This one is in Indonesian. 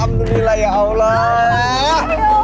alhamdulillah ya allah